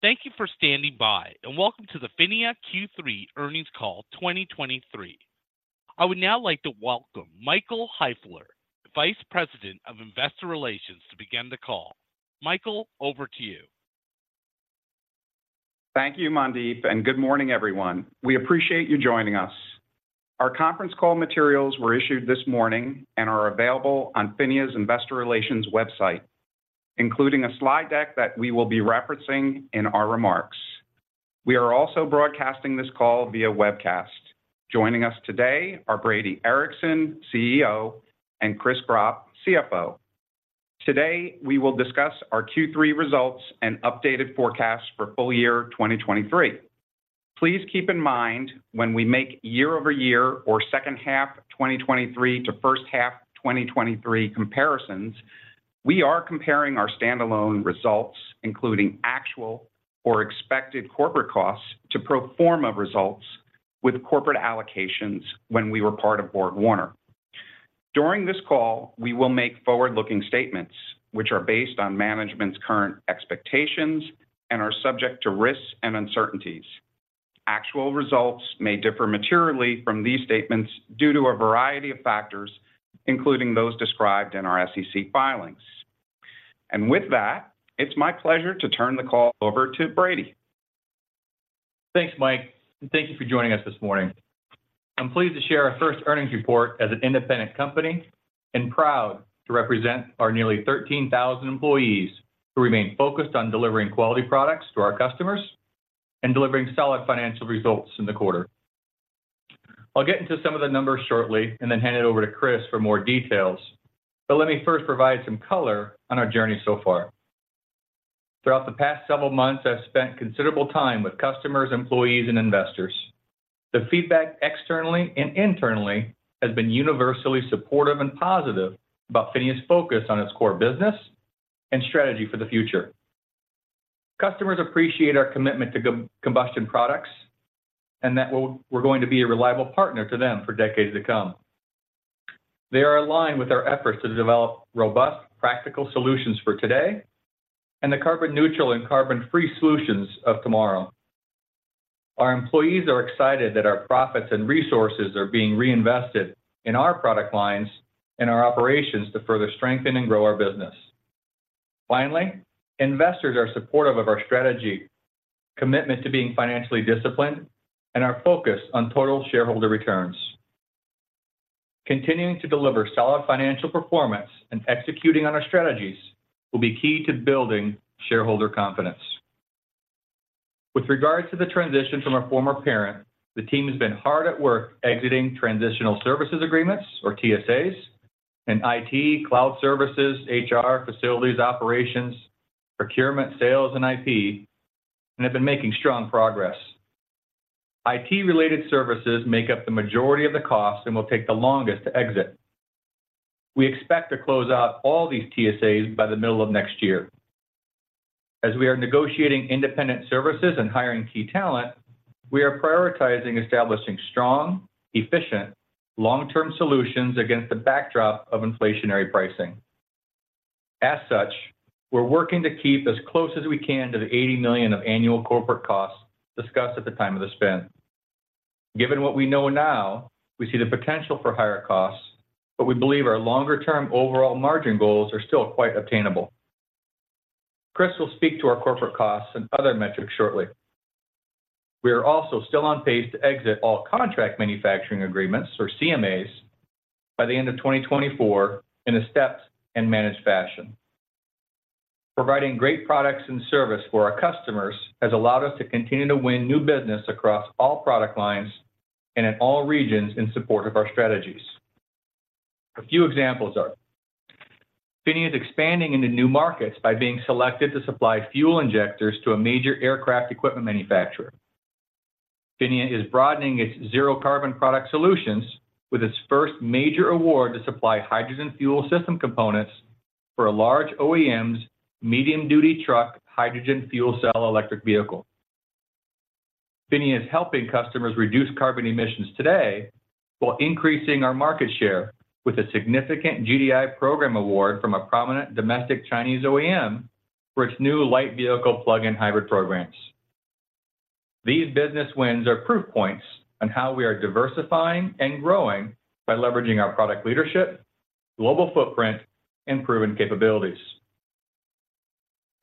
Thank you for standing by, and welcome to the PHINIA Q3 Earnings Call 2023. I would now like to welcome Michael Heifler, Vice President of Investor Relations, to begin the call. Michael, over to you. Thank you, Mandeep, and good morning, everyone. We appreciate you joining us. Our conference call materials were issued this morning and are available on PHINIA's Investor Relations website, including a slide deck that we will be referencing in our remarks. We are also broadcasting this call via webcast. Joining us today are Brady Ericson, CEO, and Chris Gropp, CFO. Today, we will discuss our Q3 results and updated forecasts for full year 2023. Please keep in mind when we make year-over-year or second half of 2023 to first half 2023 comparisons, we are comparing our standalone results, including actual or expected corporate costs, to pro forma results with corporate allocations when we were part of BorgWarner. During this call, we will make forward-looking statements which are based on management's current expectations and are subject to risks and uncertainties. Actual results may differ materially from these statements due to a variety of factors, including those described in our SEC filings. With that, it's my pleasure to turn the call over to Brady. Thanks, Mike, and thank you for joining us this morning. I'm pleased to share our first earnings report as an independent company and proud to represent our nearly 13,000 employees who remain focused on delivering quality products to our customers and delivering solid financial results in the quarter. I'll get into some of the numbers shortly and then hand it over to Chris for more details, but let me first provide some color on our journey so far. Throughout the past several months, I've spent considerable time with customers, employees, and investors. The feedback externally and internally has been universally supportive and positive about PHINIA's focus on its core business and strategy for the future. Customers appreciate our commitment to combustion products and that we're going to be a reliable partner to them for decades to come. They are aligned with our efforts to develop robust, practical solutions for today and the carbon neutral and carbon-free solutions of tomorrow. Our employees are excited that our profits and resources are being reinvested in our product lines and our operations to further strengthen and grow our business. Finally, investors are supportive of our strategy, commitment to being financially disciplined, and our focus on total shareholder returns. Continuing to deliver solid financial performance and executing on our strategies will be key to building shareholder confidence. With regard to the transition from our former parent, the team has been hard at work exiting transitional services agreements or TSAs in IT, cloud services, HR, facilities, operations, procurement, sales, and IP, and have been making strong progress. IT-related services make up the majority of the costs and will take the longest to exit. We expect to close out all these TSAs by the middle of next year. As we are negotiating independent services and hiring key talent, we are prioritizing establishing strong, efficient, long-term solutions against the backdrop of inflationary pricing. As such, we're working to keep as close as we can to the $80 million of annual corporate costs discussed at the time of the spin. Given what we know now, we see the potential for higher costs, but we believe our longer-term overall margin goals are still quite obtainable. Chris will speak to our corporate costs and other metrics shortly. We are also still on pace to exit all contract manufacturing agreements or CMAs by the end of 2024 in a stepped and managed fashion. Providing great products and service for our customers has allowed us to continue to win new business across all product lines and in all regions in support of our strategies. A few examples are: PHINIA is expanding into new markets by being selected to supply fuel injectors to a major aircraft equipment manufacturer. PHINIA is broadening its zero-carbon product solutions with its first major award to supply hydrogen fuel system components for a large OEM's medium-duty truck hydrogen fuel cell electric vehicle. PHINIA is helping customers reduce carbon emissions today while increasing our market share with a significant GDI program award from a prominent domestic Chinese OEM for its new light vehicle plug-in hybrid programs. These business wins are proof points on how we are diversifying and growing by leveraging our product leadership, global footprint, and proven capabilities.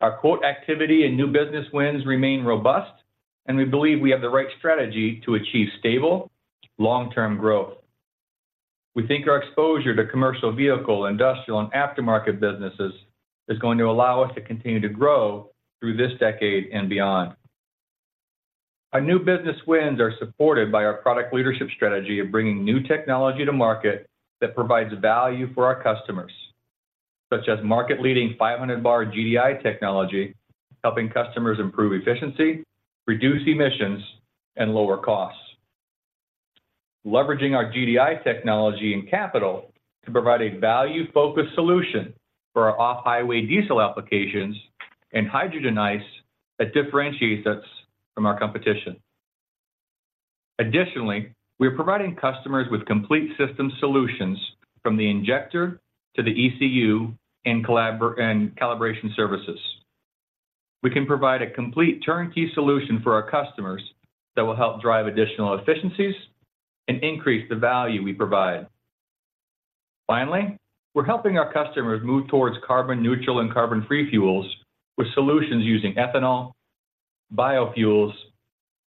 Our quoting activity and new business wins remain robust, and we believe we have the right strategy to achieve stable, long-term growth. We think our exposure to commercial vehicle, industrial, and aftermarket businesses is going to allow us to continue to grow through this decade and beyond. Our new business wins are supported by our product leadership strategy of bringing new technology to market that provides value for our customers, such as market-leading 500 bar GDI technology, helping customers improve efficiency, reduce emissions, and lower costs. Leveraging our GDI technology and capital to provide a value-focused solution for our off-highway diesel applications and hydrogen ICE that differentiates us from our competition. Additionally, we are providing customers with complete system solutions from the injector to the ECU and collaboration and calibration services. We can provide a complete turnkey solution for our customers that will help drive additional efficiencies and increase the value we provide. Finally, we're helping our customers move towards carbon neutral and carbon-free fuels with solutions using ethanol, biofuels,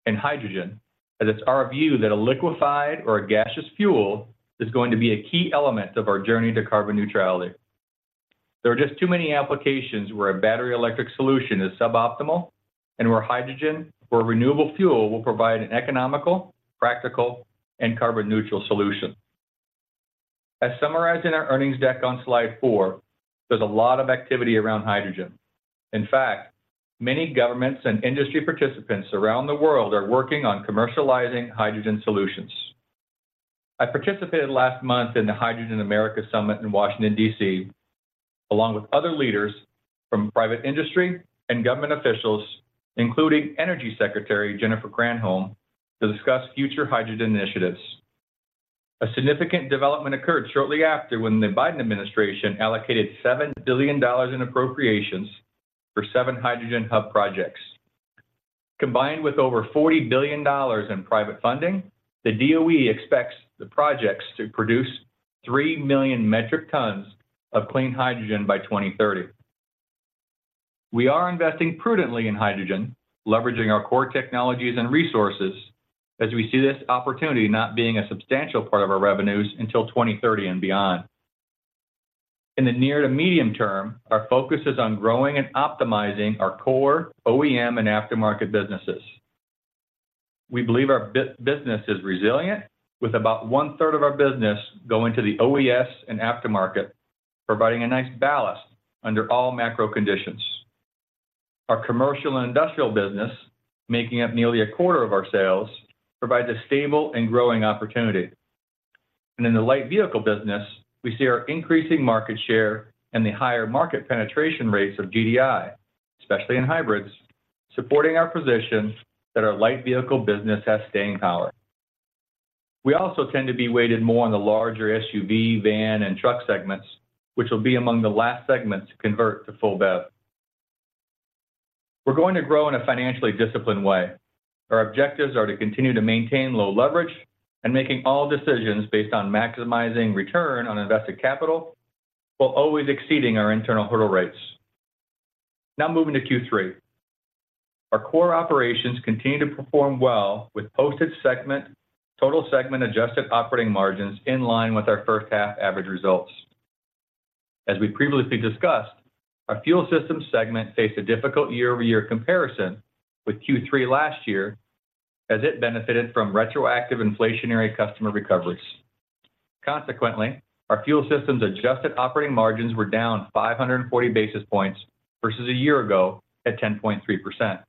and hydrogen, as it's our view that a liquefied or a gaseous fuel is going to be a key element of our journey to carbon neutrality. There are just too many applications where a battery electric solution is suboptimal, and where hydrogen or renewable fuel will provide an economical, practical, and carbon-neutral solution. As summarized in our earnings deck on slide 4, there's a lot of activity around hydrogen. In fact, many governments and industry participants around the world are working on commercializing hydrogen solutions. I participated last month in theHydrogen Americas Summit in Washington, D.C., along with other leaders from private industry and government officials, including Energy Secretary Jennifer Granholm, to discuss future hydrogen initiatives. A significant development occurred shortly after, when the Biden administration allocated $7 billion in appropriations for 7 hydrogen hub projects. Combined with over $40 billion in private funding, the DOE expects the projects to produce 3 million metric tons of clean hydrogen by 2030. We are investing prudently in hydrogen, leveraging our core technologies and resources as we see this opportunity not being a substantial part of our revenues until 2030 and beyond. In the near to medium term, our focus is on growing and optimizing our core OEM and aftermarket businesses. We believe our business is resilient, with about one-third of our business going to the OES and aftermarket, providing a nice ballast under all macro conditions. Our commercial and industrial business, making up nearly a quarter of our sales, provides a stable and growing opportunity. And in the light vehicle business, we see our increasing market share and the higher market penetration rates of GDI, especially in hybrids, supporting our position that our light vehicle business has staying power. We also tend to be weighted more on the larger SUV, van, and truck segments, which will be among the last segments to convert to full BEV. We're going to grow in a financially disciplined way. Our objectives are to continue to maintain low leverage and making all decisions based on maximizing return on invested capital, while always exceeding our internal hurdle rates. Now moving to Q3. Our core operations continued to perform well, with posted segment total segment adjusted operating margins in line with our first half average results. As we previously discussed, our fuel systems segment faced a difficult year-over-year comparison with Q3 last year, as it benefited from retroactive inflationary customer recoveries. Consequently, our fuel systems adjusted operating margins were down 540 basis points versus a year ago at 10.3%.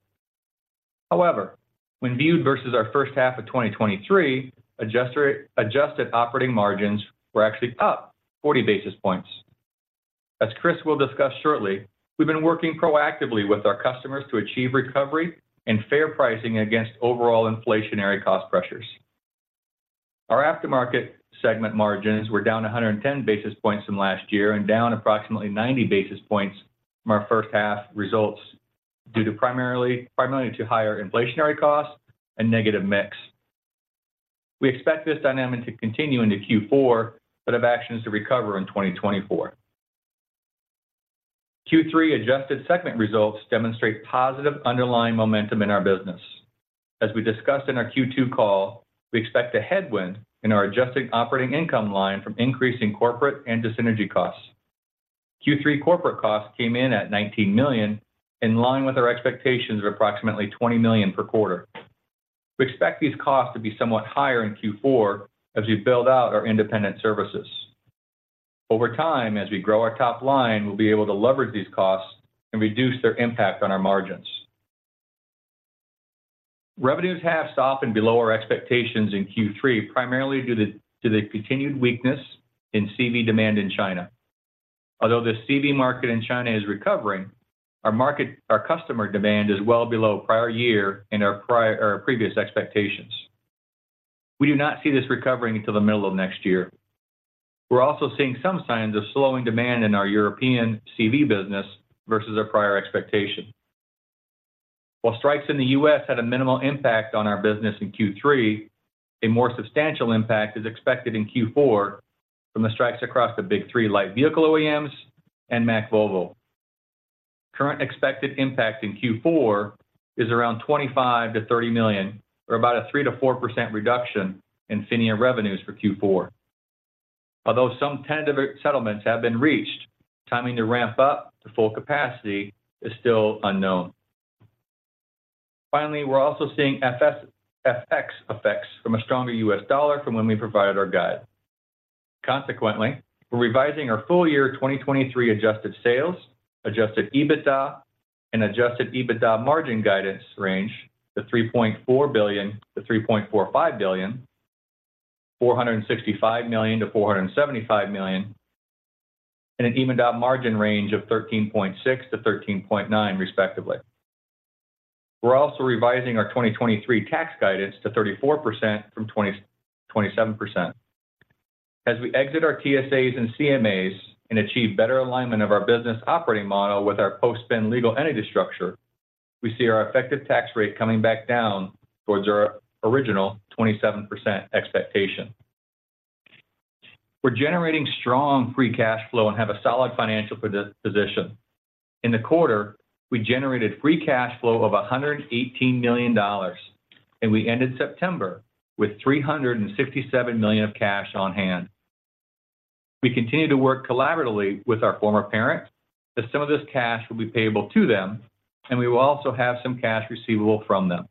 However, when viewed versus our first half of 2023, adjusted operating margins were actually up 40 basis points. As Chris will discuss shortly, we've been working proactively with our customers to achieve recovery and fair pricing against overall inflationary cost pressures. Our aftermarket segment margins were down 110 basis points from last year and down approximately 90 basis points from our first half results, due to primarily to higher inflationary costs and negative mix. We expect this dynamic to continue into Q4, but have actions to recover in 2024. Q3 adjusted segment results demonstrate positive underlying momentum in our business. As we discussed in our Q2 call, we expect a headwind in our adjusted operating income line from increasing corporate and dis-synergy costs. Q3 corporate costs came in at $19 million, in line with our expectations of approximately $20 million per quarter. We expect these costs to be somewhat higher in Q4 as we build out our independent services. Over time, as we grow our top line, we'll be able to leverage these costs and reduce their impact on our margins. Revenues have softened below our expectations in Q3, primarily due to the continued weakness in CV demand in China. Although the CV market in China is recovering, our customer demand is well below prior year and our previous expectations. We do not see this recovering until the middle of next year. We're also seeing some signs of slowing demand in our European CV business versus our prior expectation. While strikes in the U.S. had a minimal impact on our business in Q3, a more substantial impact is expected in Q4 from the strikes across the Big Three light vehicle OEMs and Mack Volvo. Current expected impact in Q4 is around $25 million-$30 million, or about a 3%-4% reduction in PHINIA revenues for Q4. Although some tentative settlements have been reached, timing to ramp up to full capacity is still unknown. Finally, we're also seeing FX effects from a stronger U.S. dollar from when we provided our guide. Consequently, we're revising our full-year 2023 adjusted sales, adjusted EBITDA, and adjusted EBITDA margin guidance range to $3.4 billion-$3.45 billion, $465 million-$475 million, and an EBITDA margin range of 13.6%-13.9% respectively. We're also revising our 2023 tax guidance to 34% from 27%. As we exit our TSAs and CMAs and achieve better alignment of our business operating model with our post-spin legal entity structure, we see our effective tax rate coming back down towards our original 27% expectation. We're generating strong free cash flow and have a solid financial position. In the quarter, we generated free cash flow of $118 million, and we ended September with $357 million of cash on hand. We continue to work collaboratively with our former parent, as some of this cash will be payable to them, and we will also have some cash receivable from them.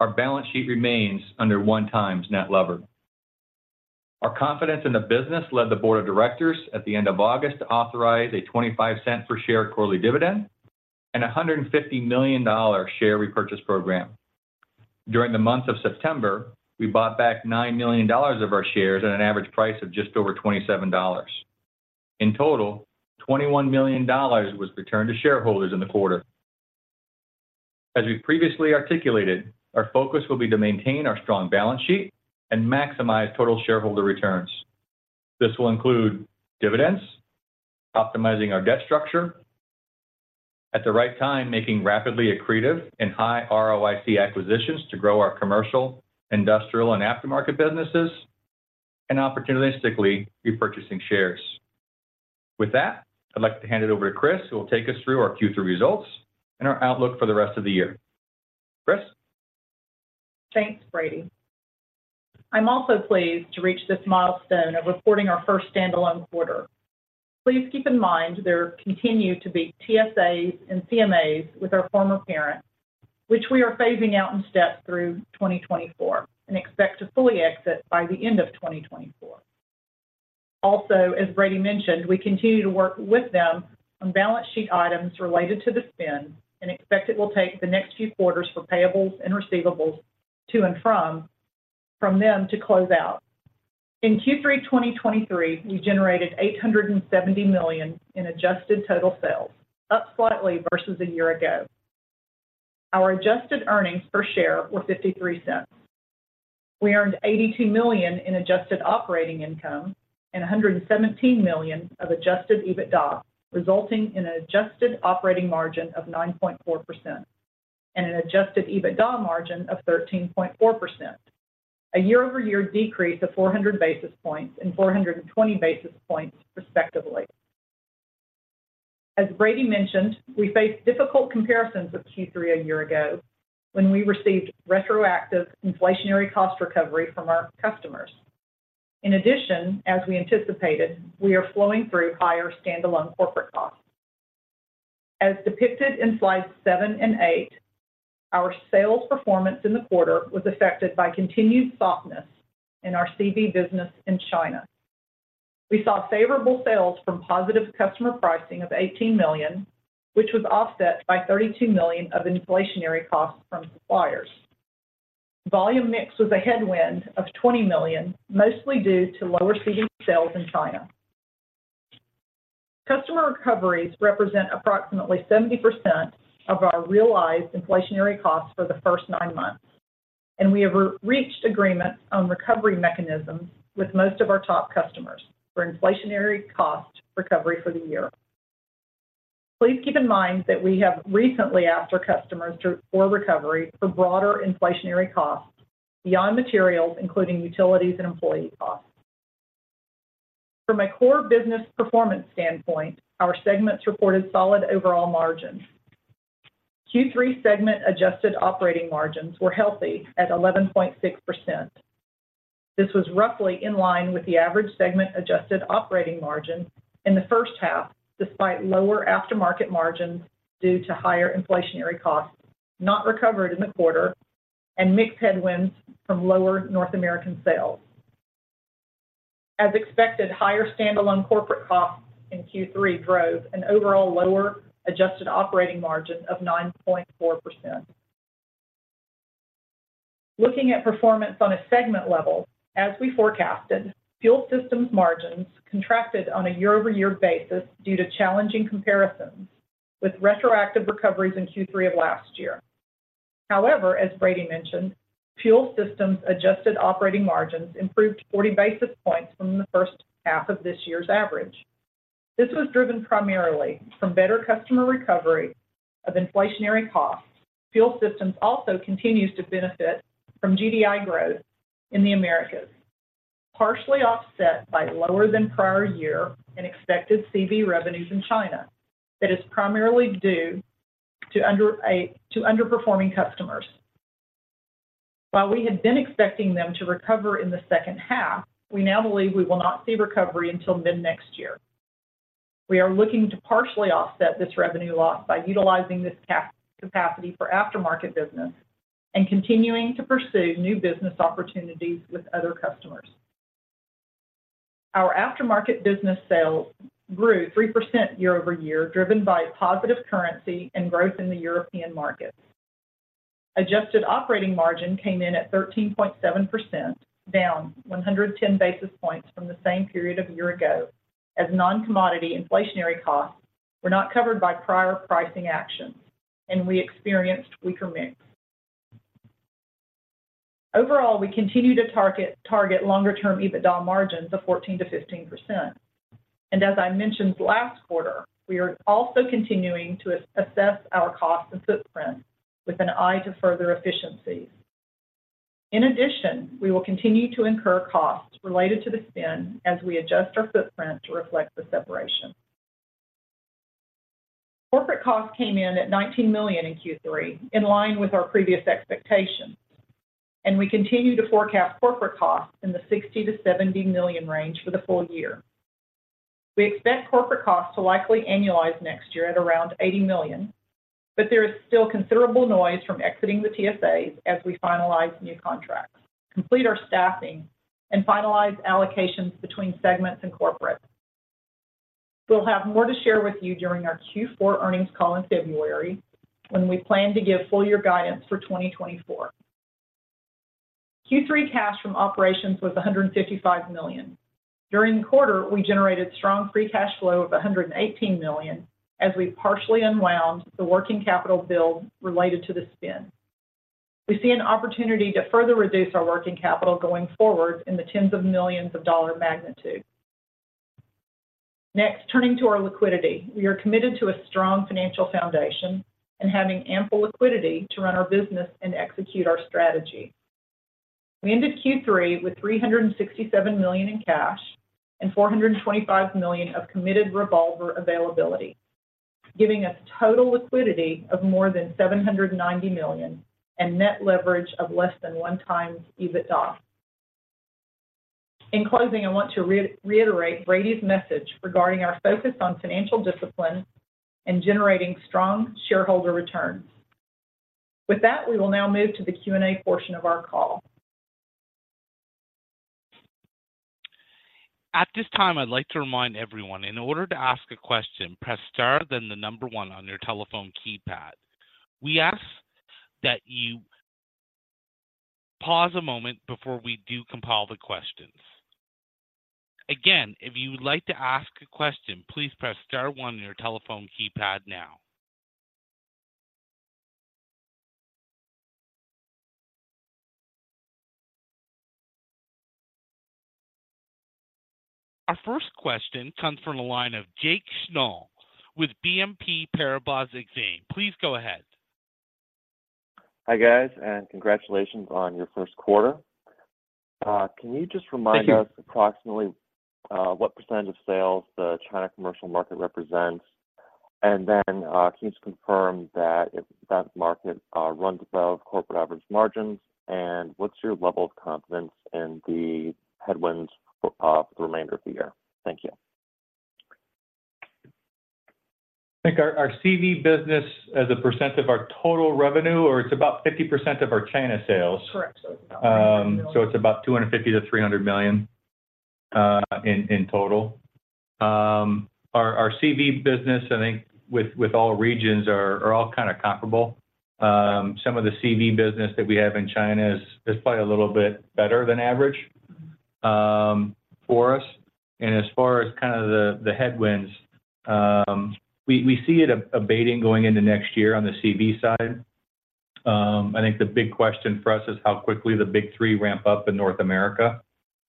Our balance sheet remains under 1x net leverage. Our confidence in the business led the board of directors at the end of August to authorize a $0.25 per share quarterly dividend and a $150 million share repurchase program. During the month of September, we bought back $9 million of our shares at an average price of just over $27. In total, $21 million was returned to shareholders in the quarter. As we previously articulated, our focus will be to maintain our strong balance sheet and maximize total shareholder returns. This will include dividends, optimizing our debt structure, at the right time, making rapidly accretive and high ROIC acquisitions to grow our commercial, industrial, and aftermarket businesses, and opportunistically repurchasing shares. With that, I'd like to hand it over to Chris, who will take us through our Q3 results and our outlook for the rest of the year. Chris? Thanks, Brady. I'm also pleased to reach this milestone of reporting our first standalone quarter. Please keep in mind there continue to be TSAs and CMAs with our former parent, which we are phasing out in steps through 2024 and expect to fully exit by the end of 2024. Also, as Brady mentioned, we continue to work with them on balance sheet items related to the spin and expect it will take the next few quarters for payables and receivables to and from them to close out. In Q3 2023, we generated $870 million in adjusted total sales, up slightly versus a year ago. Our adjusted earnings per share were $0.53. We earned $82 million in adjusted operating income and $117 million of adjusted EBITDA, resulting in an adjusted operating margin of 9.4% and an adjusted EBITDA margin of 13.4%. A year-over-year decrease of 400 basis points and 420 basis points respectively. As Brady mentioned, we face difficult comparisons with Q3 a year ago when we received retroactive inflationary cost recovery from our customers. In addition, as we anticipated, we are flowing through higher standalone corporate costs. As depicted in slides 7 and 8, our sales performance in the quarter was affected by continued softness in our CV business in China. We saw favorable sales from positive customer pricing of $18 million, which was offset by $32 million of inflationary costs from suppliers. Volume mix was a headwind of $20 million, mostly due to lower CV sales in China. Customer recoveries represent approximately 70% of our realized inflationary costs for the first nine months, and we have reached agreements on recovery mechanisms with most of our top customers for inflationary cost recovery for the year. Please keep in mind that we have recently asked our customers to, for recovery for broader inflationary costs beyond materials, including utilities and employee costs. From a core business performance standpoint, our segments reported solid overall margins. Q3 segment adjusted operating margins were healthy at 11.6%. This was roughly in line with the average segment adjusted operating margin in the first half, despite lower aftermarket margins due to higher inflationary costs not recovered in the quarter, and mixed headwinds from lower North American sales. As expected, higher standalone corporate costs in Q3 drove an overall lower adjusted operating margin of 9.4%. Looking at performance on a segment level, as we forecasted, fuel systems margins contracted on a year-over-year basis due to challenging comparisons with retroactive recoveries in Q3 of last year. However, as Brady mentioned, fuel systems adjusted operating margins improved 40 basis points from the first half of this year's average. This was driven primarily from better customer recovery of inflationary costs. Fuel systems also continues to benefit from GDI growth in the Americas, partially offset by lower than prior year and expected CV revenues in China. That is primarily due to underperforming customers. While we had been expecting them to recover in the second half, we now believe we will not see recovery until mid-next year. We are looking to partially offset this revenue loss by utilizing this capacity for aftermarket business and continuing to pursue new business opportunities with other customers. Our aftermarket business sales grew 3% year-over-year, driven by positive currency and growth in the European markets. Adjusted operating margin came in at 13.7%, down 110 basis points from the same period of a year ago, as non-commodity inflationary costs were not covered by prior pricing actions, and we experienced weaker mix. Overall, we continue to target longer-term EBITDA margins of 14%-15%. As I mentioned last quarter, we are also continuing to assess our cost and footprint with an eye to further efficiencies. In addition, we will continue to incur costs related to the spin as we adjust our footprint to reflect the separation. Corporate costs came in at $19 million in Q3, in line with our previous expectations, and we continue to forecast corporate costs in the $60 million-$70 million range for the full year. We expect corporate costs to likely annualize next year at around $80 million, but there is still considerable noise from exiting the TSAs as we finalize new contracts, complete our staffing, and finalize allocations between segments and corporate. We'll have more to share with you during our Q4 earnings call in February, when we plan to give full year guidance for 2024. Q3 cash from operations was $155 million. During the quarter, we generated strong free cash flow of $118 million, as we partially unwound the working capital build related to the spin. We see an opportunity to further reduce our working capital going forward in the tens of millions of dollar magnitude. Next, turning to our liquidity. We are committed to a strong financial foundation and having ample liquidity to run our business and execute our strategy. We ended Q3 with $367 million in cash and $425 million of committed revolver availability, giving us total liquidity of more than $790 million and net leverage of less than 1x EBITDA. In closing, I want to reiterate Brady's message regarding our focus on financial discipline and generating strong shareholder returns. With that, we will now move to the Q&A portion of our call. At this time, I'd like to remind everyone, in order to ask a question, press star, then the number one on your telephone keypad. We ask that you pause a moment before we do compile the questions. Again, if you would like to ask a question, please press star one on your telephone keypad now. Our first question comes from the line of Jake Scholl with BNP Paribas Exane. Please go ahead. Hi, guys, and congratulations on your first quarter. Can you just remind us- Thank you Approximately, what percentage of sales the China commercial market represents? And then, can you just confirm that if that market runs above corporate average margins, and what's your level of confidence in the headwinds for the remainder of the year? Thank you. I think our CV business as a percent of our total revenue, or it's about 50% of our China sales. Correct. So it's about $250 million-$300 million in total. Our CV business, I think with all regions are all kinda comparable. Some of the CV business that we have in China is probably a little bit better than average for us. And as far as kind of the headwinds, we see it abating going into next year on the CV side. I think the big question for us is how quickly the Big Three ramp up in North America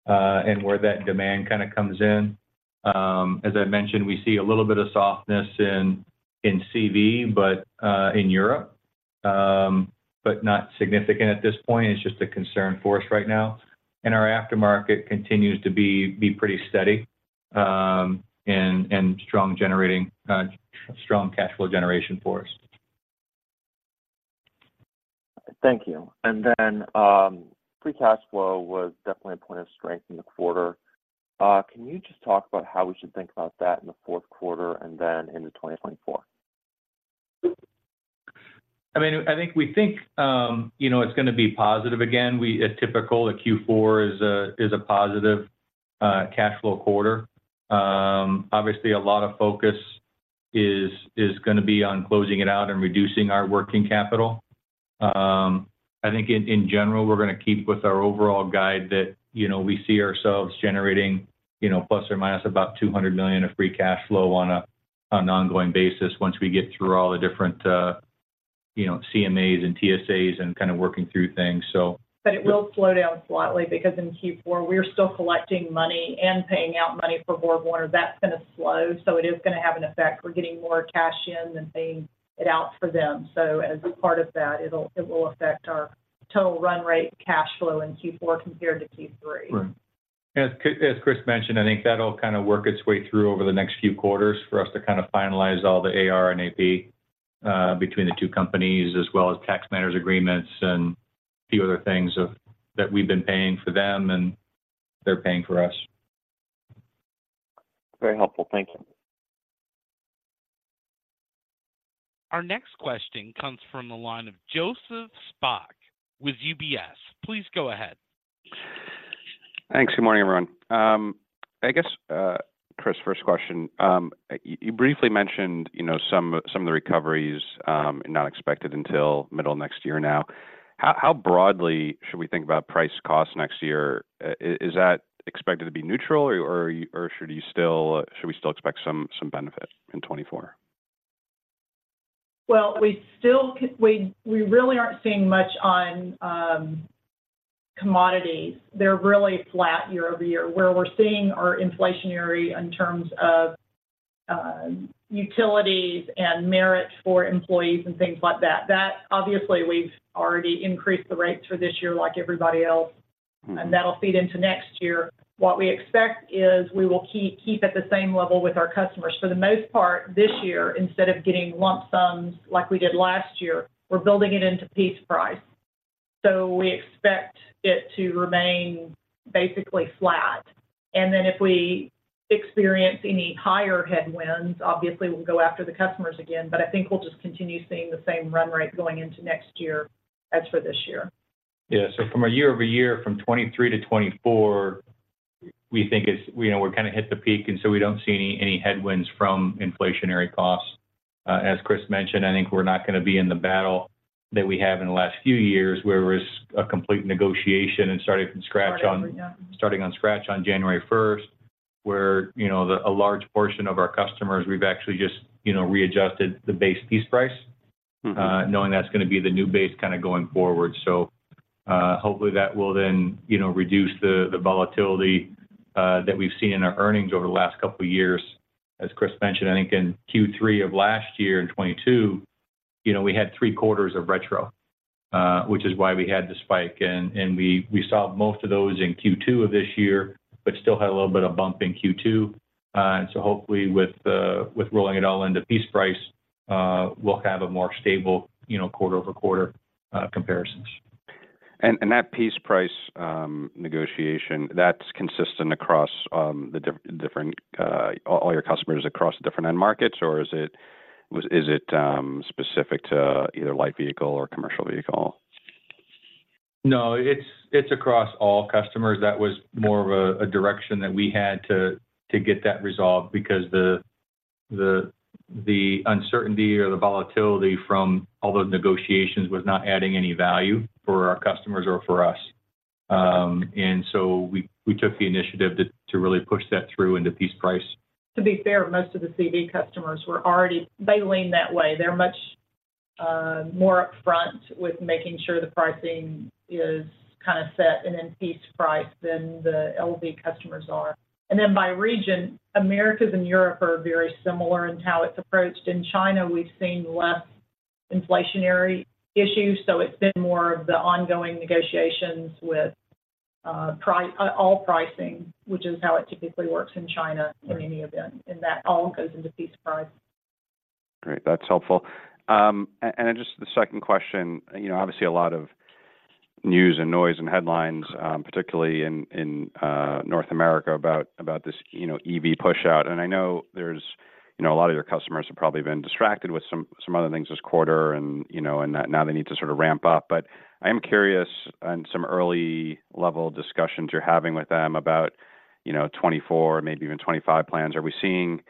and where that demand kinda comes in. As I mentioned, we see a little bit of softness in CV in Europe, but not significant at this point. It's just a concern for us right now. Our aftermarket continues to be pretty steady, and strong, generating strong cash flow generation for us. Thank you. And then, free cash flow was definitely a point of strength in the quarter. Can you just talk about how we should think about that in the fourth quarter and then into 2024? I mean, I think we think, you know, it's gonna be positive again. We, a typical, a Q4 is a, is a positive, cash flow quarter. Obviously, a lot of focus is, is gonna be on closing it out and reducing our working capital. I think in, in general, we're gonna keep with our overall guide that, you know, we see ourselves generating, you know, ±$200 million of free cash flow on a, on an ongoing basis once we get through all the different, you know, CMAs and TSAs and kinda working through things, so- But it will slow down slightly because in Q4, we're still collecting money and paying out money for BorgWarner. That's gonna slow, so it is gonna have an effect. We're getting more cash in than paying it out for them. So as a part of that, it will affect our total run rate cash flow in Q4 compared to Q3. Right. As Chris mentioned, I think that'll kinda work its way through over the next few quarters for us to kinda finalize all the AR and AP between the two companies, as well as tax matters agreements and a few other things that we've been paying for them, and they're paying for us. Very helpful. Thank you. Our next question comes from the line of Joseph Spak with UBS. Please go ahead. Thanks. Good morning, everyone. I guess, Chris, first question. You briefly mentioned, you know, some of the recoveries not expected until middle of next year now. How broadly should we think about price costs next year? Is that expected to be neutral, or should you still - should we still expect some benefit in 2024? Well, we still we, we really aren't seeing much on, commodities. They're really flat year-over-year, where we're seeing our inflationary in terms of, utilities and merit for employees and things like that. That obviously, we've already increased the rates for this year, like everybody else, and that'll feed into next year. What we expect is we will keep, keep at the same level with our customers. For the most part, this year, instead of getting lump sums like we did last year, we're building it into piece price. So we expect it to remain basically flat. And then if we experience any higher headwinds, obviously we'll go after the customers again, but I think we'll just continue seeing the same run rate going into next year as for this year. Yeah. So from a year-over-year, from 2023 to 2024, we think it's, you know, we're kind of hit the peak, and so we don't see any headwinds from inflationary costs. As Chris mentioned, I think we're not going to be in the battle that we have in the last few years, where it was a complete negotiation and starting from scratch on- Starting, yeah. Starting from scratch on January 1st, where, you know, a large portion of our customers, we've actually just, you know, readjusted the base piece price, knowing that's going to be the new base kind of going forward. So, hopefully, that will then, you know, reduce the volatility that we've seen in our earnings over the last couple of years. As Chris mentioned, I think in Q3 of last year, in 2022, you know, we had three quarters of retro, which is why we had the spike. And we saw most of those in Q2 of this year, but still had a little bit of bump in Q2. And so hopefully with rolling it all into piece price, we'll have a more stable, you know, quarter-over-quarter comparisons. That piece price negotiation, that's consistent across the different, all your customers across the different end markets, or is it specific to either light vehicle or commercial vehicle? No, it's across all customers. That was more of a direction that we had to get that resolved because the uncertainty or the volatility from all the negotiations was not adding any value for our customers or for us. And so we took the initiative to really push that through into piece price. To be fair, most of the CV customers were already, they lean that way. They're much more upfront with making sure the pricing is kind of set and then piece price than the LV customers are. And then by region, Americas and Europe are very similar in how it's approached. In China, we've seen less inflationary issues, so it's been more of the ongoing negotiations with pricing, all pricing, which is how it typically works in China in any event, and that all goes into piece price. Great, that's helpful. And just the second question, you know, obviously a lot of news and noise and headlines, particularly in North America about this, you know, EV pushout. And I know there's, you know, a lot of your customers have probably been distracted with some other things this quarter, and, you know, and now they need to sort of ramp up. But I am curious on some early level discussions you're having with them about, you know, 2024, maybe even 2025 plans. Are we seeing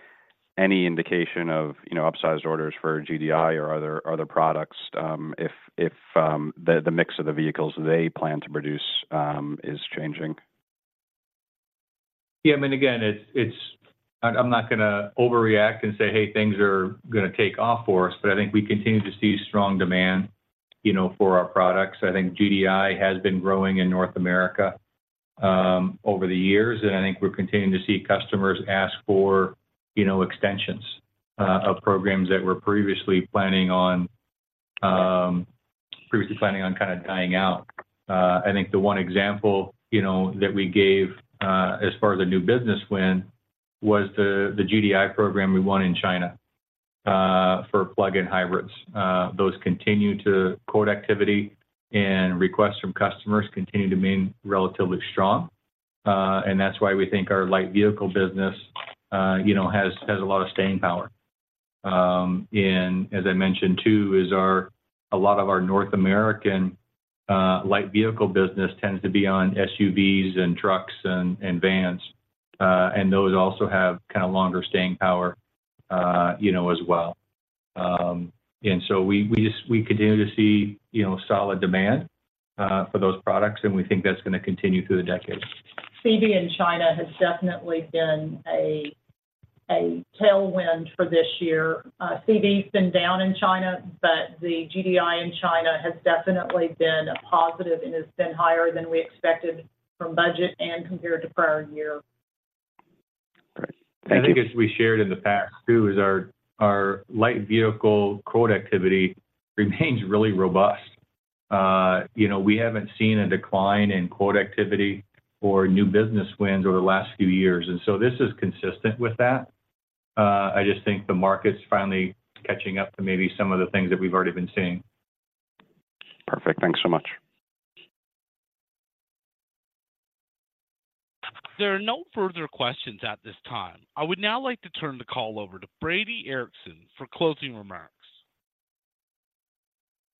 any indication of, you know, upsized orders for GDI or other products, if the mix of the vehicles they plan to produce is changing? Yeah, I mean, again, it's. I'm not going to overreact and say, "Hey, things are going to take off for us," but I think we continue to see strong demand, you know, for our products. I think GDI has been growing in North America over the years, and I think we're continuing to see customers ask for, you know, extensions of programs that we're previously planning on kind of dying out. I think the one example, you know, that we gave as far as a new business win was the GDI program we won in China for plug-in hybrids. Those continue to quote activity, and requests from customers continue to remain relatively strong. And that's why we think our light vehicle business, you know, has a lot of staying power. As I mentioned, too, a lot of our North American light vehicle business tends to be on SUVs and trucks and vans, and those also have kind of longer staying power, you know, as well. So we continue to see, you know, solid demand for those products, and we think that's going to continue through the decade. CV in China has definitely been a tailwind for this year. CV's been down in China, but the GDI in China has definitely been a positive and has been higher than we expected from budget and compared to prior year. Great. Thank you. I think as we shared in the past, too, is our light vehicle quote activity remains really robust. You know, we haven't seen a decline in quote activity or new business wins over the last few years, and so this is consistent with that. I just think the market's finally catching up to maybe some of the things that we've already been seeing. Perfect. Thanks so much. There are no further questions at this time. I would now like to turn the call over to Brady Ericson for closing remarks.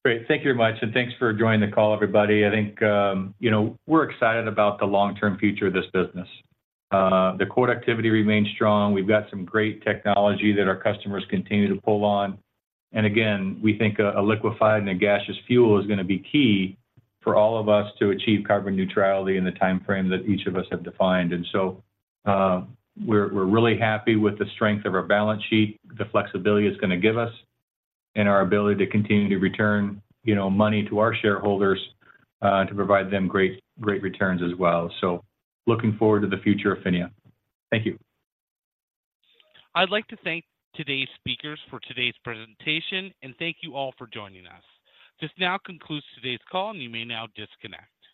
Great. Thank you very much, and thanks for joining the call, everybody. I think, you know, we're excited about the long-term future of this business. The quote activity remains strong. We've got some great technology that our customers continue to pull on. And again, we think a liquefied and a gaseous fuel is going to be key for all of us to achieve carbon neutrality in the timeframe that each of us have defined. And so, we're really happy with the strength of our balance sheet, the flexibility it's going to give us, and our ability to continue to return, you know, money to our shareholders, to provide them great, great returns as well. So looking forward to the future of PHINIA. Thank you. I'd like to thank today's speakers for today's presentation, and thank you all for joining us. This now concludes today's call, and you may now disconnect.